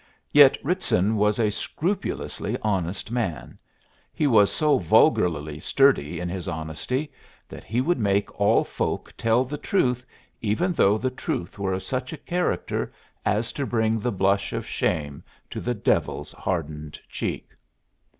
Yet Ritson was a scrupulously honest man; he was so vulgarly sturdy in his honesty that he would make all folk tell the truth even though the truth were of such a character as to bring the blush of shame to the devil's hardened cheek.